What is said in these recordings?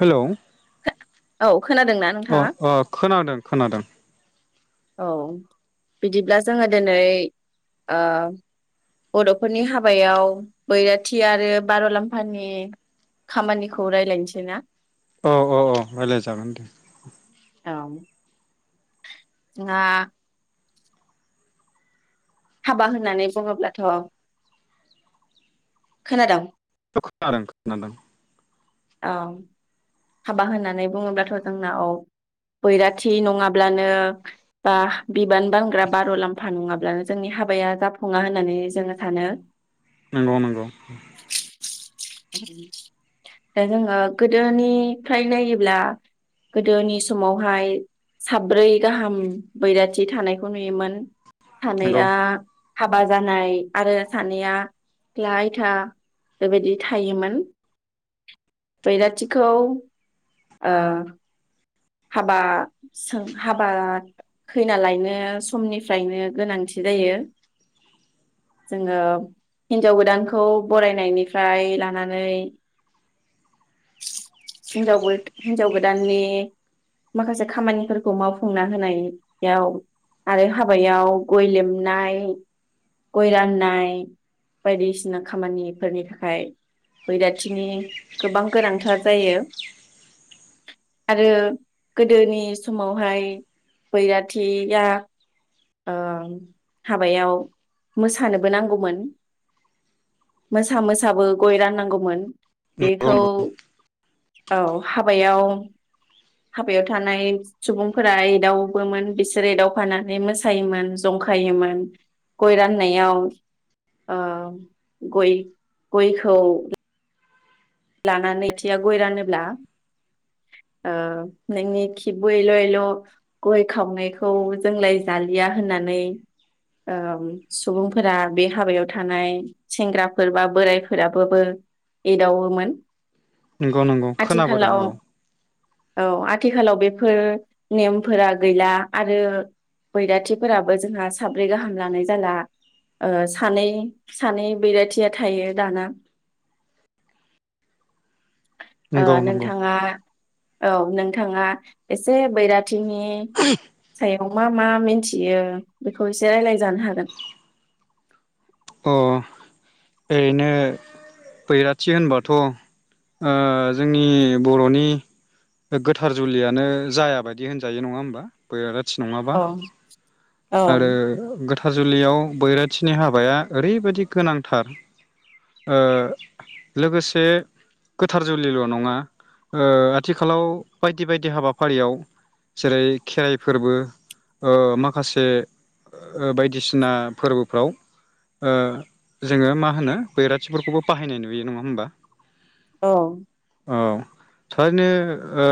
Hello. औ खोनादोंना अ नोंथाङा अ खोनादों खोनादों। औ बिदिब्ला जोङो दोनै ओ बर'फोरनि हाबायाव बैराथि आरो बार'लाम्फानि खामानिखौ रायलायनोसै ना? औ औ औ रायलाय जागोन दे। औ। ना। हाबा होननानै बुङोब्लाथ' खोनादोंं ओ खोनादों खोनादों। औ। हाबा होननानै बुङोब्लाथ' जोंना औ बैराथि नङाब्लानो बा बिबान बानग्रा बार'लाम्फा नङाब्लानो जोंनि हाबाया जाफुङा होननानै जोङो सानो। नंगौ नंगौ। दा जोङो गोदोनिफ्राय नायोब्ला गोदोनि समावहाय साब्रै गाहाम बैराथि थानायखौ नुयोमोन। नंगौ थानैया हाबा जानाय आरो सानैया सिख्ला आयथा बेबायदि। थायोमोन बैराथिखौ ओ हाबा सों हाबा खैना लायनो समनिफ्रायनो गोनांथि जायो जोङो हिनजाव गोदानखौ बरायनायनिफ्राय लानानै हिनजाव गोद हिनजाव गोदाननि माखासे खामानिफोरखौ मावफुंना होनायाव आरो हाबायाव गय लेमनाय गय राननाय बायदिसिना खामानिफोरनि थाखाय बैराथिनि गोबां गोनांथार जायो आरो गोदोनि समावहाय बैराथिया ओ हाबायाव मोसानोबो नांगौमोन मोसा मोसाबो गय राननांगौमोन। नंगौ बेखौ औ हाबायाव हाबायाव थानाय सुबुंफोरा एदावोबोमोन बिसोरो एदावफानानै मोस मोसायोमोन जंखायोमोन गय राननायाव ओ गय गयखौ लानानै थिया गय रानोब्ला ओ नोंनि खिबुएल'एल' गय खावनायखौ जोंलाय जालिया होननानै ओम सुबुंफोरा बे हाबायाव थानाय सेंग्राफोर बा बोरायफोराबाबो एदावोमोन। नंगौ नंगौ खोनाबोदों आथिखालाव औ। औ आथिखालाव बेफोर नेमफोरा गैला आरो बैराथिफोराबो जोंहा साब्रै गाहाम लानाय जाला ओ सानै सानै बैराथिया थायो दाना। ओ नंगौ नंगौ नोंथाङा औ नोंथाङा एसे बैराद थिनि सायाव मा मा मिन्थियो बेखौ एसे रायलाय जानो हागोन। अ ओरैनो बैराथि होनबाथ' ओ जोंनि बर'नि गोथार जुलियानो जाया बायदि होनजायो नङा होमबा बैराद थि नङाबा औ औ आरो गोथा थारजुलियाव बैराथिनि हाबाया ओरैबायदि गोनांथार ओ लोगोसे गोथार जुलिल' नङा ओ आथिखालाव बायदि बायदि हाबाफारियाव जेरै खेराइ फोरबो ओ माखासे ओ बायदिसिना फोरबोफ्राव ओ जोंङो मा होनो बैराथिफोरखौबो बाहायनाय नुयो नंङा होमबा। औ। औ थारैनो ओ।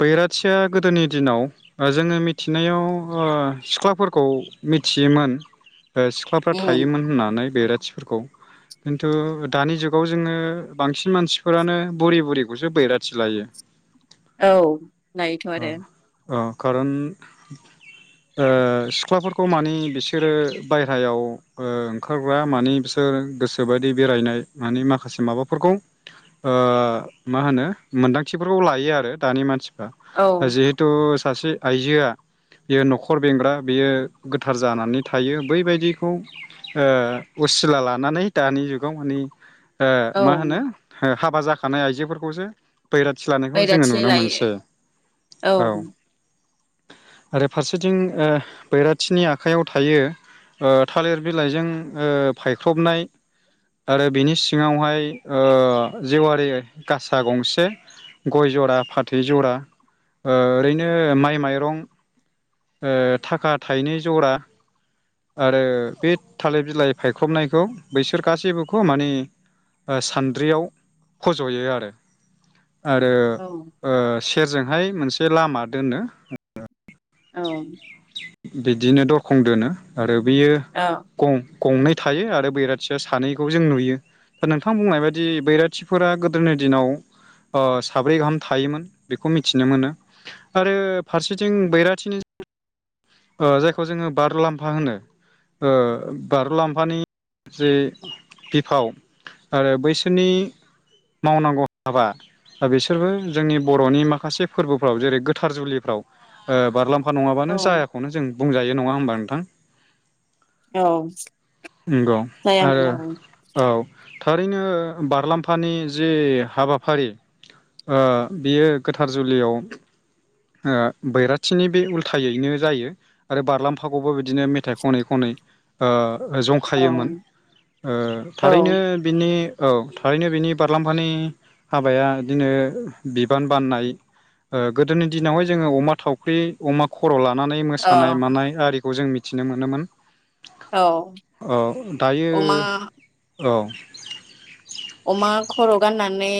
बैराथिया गोदोनि दिनाव जोंङो मिथिनायाव ओ सिख्लाफोरखौ मिथियोमोन। ओ सिख्लाफ्रा उम थायोमोन होननानै बैरा मानसिफोरखौ खिन्थु दानि जुगाव जोंङो बांसिन मानसिफोरानो बुरि बुरिखौसो बैराथि लायो औ लायोथ' अ आरो अ खारन ओ सिख्लाफोरखौ मानि बिसोरो बायह्रायाव ओ ओंखारग्रा मानि बिसोर गोसोबायदि बेरायनाय मानि माखासे माबाफोरखौ ओ मा होनो मोन्दांथिफोरखौ लायो आरो दानि मानसि औ जिहेतु सासे आइजोआ बियो न'खर बेंग्रा बियो गोथार जानानै थायो बैबायदिखौ ओ उसिला लानानै दानि जुगाव माने ओ औ मा होनो हाबा जाखानाय आइजो फोरखौसो बैराथि लानायखौ बैराथि जोंङो नु लायो औ आरो फारसेथिं ओ बैराथिनि आखाइयाव थायो ओ थालिर बिलाइजों ओ फायख्रबनाय आरो बिनि सिङावहाय ओ जेवारि गासा गंसे गय जरा फाथै जरा ओ ओरैनो माइ माइरं ओ थाखा थाइनै जरा आरो बे थालिर बिलाइ फायखबनायखौ बैसोर गासैबोखौ माने सान्द्रियाव फज'यो आरो आरो औ सेरजोंहाय मोनसे लामा दोनो औ बिदिनो दरखं दोनो आरो बियो औ गं गंनै थायो आरो बैराथिया सानैखौ जों नुयो दा नोंथां बुंनाय बादि बैराथिफोरा गोदोनि दिनाव ओ साब्रै गाहाम थायोमोन बेखौ मिथिनो मोनो आरो फारसेथिं बैराथि खाथि ओ जायखौ जोंङो ओ बारलाम्फा होनो बारुलाम्फानि जे बिफाव आरो बैसोरनि मावनांगौ हाबा बिसोरबो जोंनि बर'नि माखासे फोरबोफ्राव जेरै गोथार जुलिफ्राव ओ बारलाम अखा नंङा बानो औ जायाखौनो जों बुंजायो नंङा होमबा नोंथां औ नंगौ जायामोन आरो औ औ थारैनो बारलाम्फानि जि हाबाफारि ओ बियो ओ गोथार जुलियाव ओ बैराथ खाथिनि बै उल्थायैनो जायो आरो बारलामफाखौबो बिदिनो बिदिनो मेथाइ खनै खनै ओ जंखायोमोन ओ औ थारैनो बिनि औ थारैनो बिनि बारलाम्फानि हाबाया बिदिनो बिबान बाननाय ओ गोदोनि दिनावहाय जोंङो अमा थाव फख्रि अमा खर' ला नानै औ मोसानाय मानाय आरि खौ जों मिथिनो मोनोमोन औ औ दायो अमा औ अमा खर' गाननानै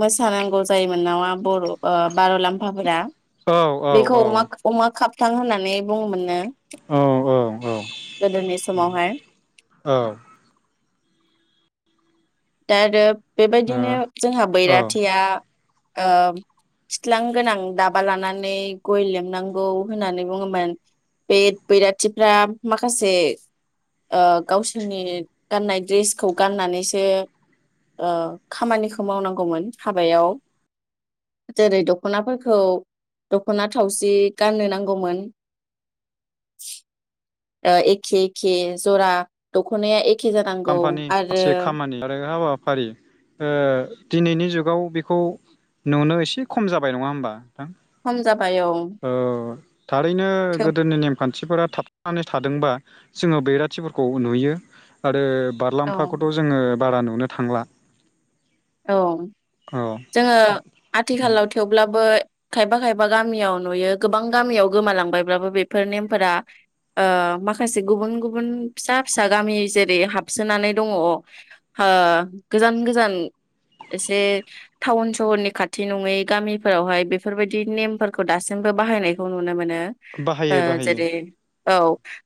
मोसानांगौ जायोमोन नामा बर'ओ बार' लाम्फाफोरा। औ औ बेखौ अमा अमा खाब थां होननानै बुंङो मोननो औ औ औ समावहाय औ दाआरो ओ बेबायदिनो जोंहा औ बैराथिया ओ खिथ्लां गोनां दाबा लानानै गय लेमनांगौ होननानै बुङोमोन बे बैराथिफ्रा माखासे गावसोरनि गाननाय दड्रेसखौ गाननानैसो ओ खामानिखौ मावनांगौमोन हाबायाव जेरै दखनाफोरखौ दख'ना थावसि गाननो नांगौमोन ओ एखे एखे जरा दख'नाया एख काम्फानि माखासे खामानि आरो हाबा फारि दिनैनि जुगाव बेखौ नुनो एसे खम जाबाय नङा होमबा नथां खम जाबाय औ थारैनो थेव गोदोनि नेमखान्थि बेथिफोरा थाबनानै थादोंबा जोङो बेैराथिफोरखौ नुयो आरो औ बारलाम्फाखौथ' जोङो बारा नुनो थांला। औ औ जोङो आथिखालाव थेवब्लाबो खायफा खायफा गामियाव नुयो गोबां गामियाव गोमालांबायब्लाबो बेफोर नेमफोरा ओ माखासे गुबुन गुबुन फिसा फिसा गामि जेरै हाबसोनानै दङ ओ गोजान गोजान एसे टाउन सहरनि खाथि नङै गामिफोरावहाय बेफोरबायाददि नेमफोरखौ दासिमबो बाहायनायखौ नुनो मोनो ओ बाहायो बाहायो जेरै औ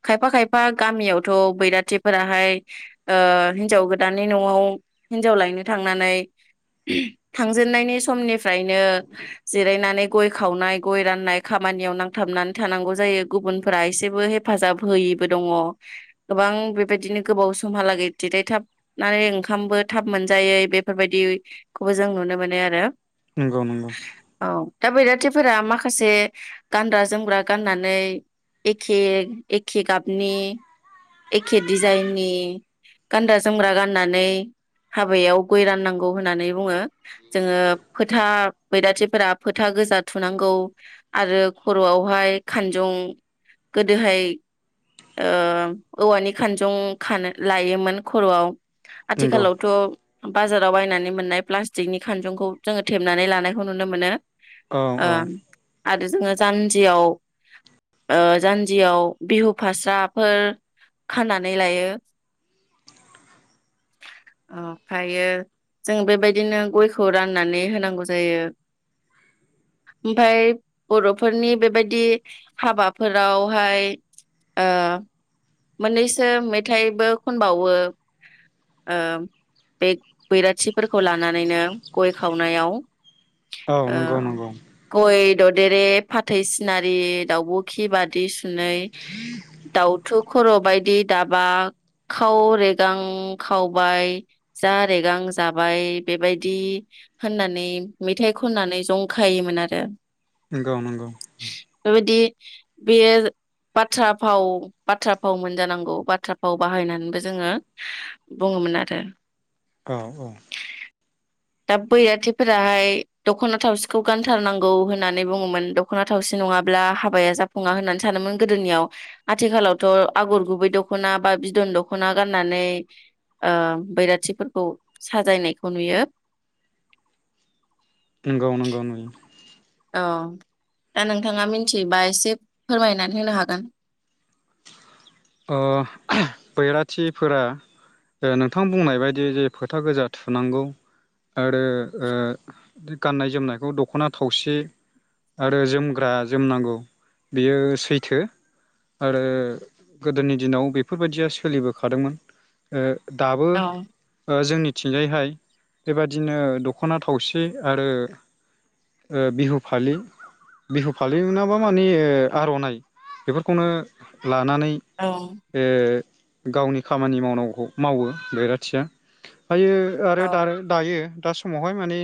खायफा खायफा गामियावथ' बैराथिफोराहाय ओ हिनजाव गोदाननि न'आव हिनजाव लायनो थांनानै थांजेननायनि समनिफ्रायनो जिरायनानै गय खावनाय गय राननाय खामानियाव नांथाबनानै थानांगौ जायो गुबुनफोरा एसेबो हेफाजाब होयैबो दङ गोबां बेबायदिनो गोबाव समहालागै जिरायथाबनानै ओंखामबो थाब मोन जायै बेफोरबायदिखौबो जों नुनो मोनो आरो नंगौ नंगौ औ दा बैराथिफोरा माखासे गानग्रा जोमग्रा गाननानै एखे एखे गाबनि एखे डिजाइननि गानदा जोमग्रा गाननानै हाबायाव गय राननांगौ होननानै बुङो जोङो फोथा बैदाथिफोरा फोथा गोजा थुनांगौ आरो खर'आवहाय खानजं गोदोहाय ओ औवानि खानजं खानो लायोमोन खर'आव आथि नंगौ खाालाव बाजाराव बायनानै मोननाय प्लास्टिकनि खानजंखौ जोङो थेबनानै लानायखौ नुनो मोनो औ ओ औ आरो जोङो जान्जियाव ओ जान्जियाव बिहु फास्राफोर खानानै लायो। ओमफ्रायो जों बेबायदिनो गयखौ राननानै होनांगौ जायो ओमफाय बर'फोरनि बेबायदि हाबाफोरावहाय मोननैसो मेथाइबो खनबावो ओ बे बैरा थि फोरखौ लानानैनो गय खाव नायाव औ नंगौ नंगौ गय ददेरे फाथै सिनारि दाउब' खि बादिस सुनै दाउथुब खर' बायदि दाबा खाव रेगां खावबाय जा रेगां जाबाय बेबायदि होननानै मेथाइ खननानै जंखायोमोन आरो नंगौ नंगौ बायदि बे बाथ्रा फाव बाथ्रा फाव मोनजानांगौ बाथ्रा फाव बाहायनानैबो जोङो बुङोमोन आरो औ औ दा बैराथिफोराहाय दख'ना थावसिखौ गानथारनांगौ होननानै बुङोमोन दख'ना थावसि नङाब्ला हाबाया जाफुङा होननानै सानोमोन गोदोनियाव आथिखालावथ' आगर गुबै दख'ना बा बिदन दख'ना गाननानै बैराथि फोरखौ साजायनायखौ नुयो। नंगौ नंगौ नुयो। औ दा नोंथाङा मिथियोबा एसे फोरमायनानै होनो हागोन। औ बैराथिफोरा नोंथां औ बुंनाय बदि जे फोथा गोजा थुनांगौ आरो गाननाय जोमनायखौ दख'ना थावसि आरो जोमग्रा जोमनांगौ बियो सैथो आरो गोदोनि दिनाव बेफोरबायदिया सोलिबोखादोंमोन ओ दाबो औ जोंनिथिंजायहाय बेबादिनो दख'ना थावसि आरो ओ बिहु फालि बिहु फालि नाबा मानि आर'नाइ बेफोरखौनो लानानै औ बे गावनि खामानि मावनांगौखौ मावो बैराथिया। फ्रायो आरो औ दरो दायो दा समावहाय माने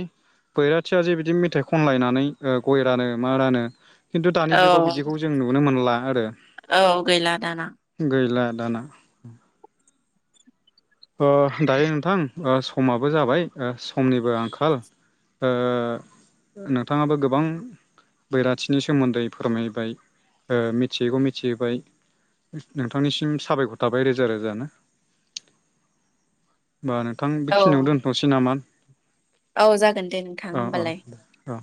बैराथिया जे बिदि मेथाइ खनलायनानै गय रानो मा रानो खिन्थु दानि जुगाव औ बिदिखौ जों नुनो मोनला आरो औ गैला दाना गैला दाना अ दायो नोंथां समाबो जाबाय समनिबो आंखाल नोंथाङाबो गोबां बैराथिनि सोमोन्दै फोरमायबाय मिथियैखौ मिथिहोबाय नोंथांनिसिम साबायखर थाबाय रोजा रोजानो। होनोबा नोंथां औ बेखिनियाव दोनथ'नोसै नामा? औ जागोन दे नोंथां औ औ होमबालाय। औ